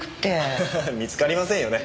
見つかりませんよね。